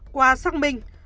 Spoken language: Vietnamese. qua xác minh